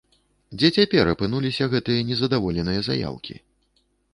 Дзе цяпер апынуліся гэтыя незадаволеныя заяўкі?